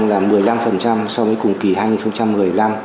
so với cùng kỳ hai nghìn một mươi năm